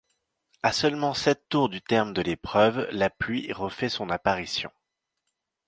A seulement sept tours du terme de l'épreuve, la pluie refait son apparition.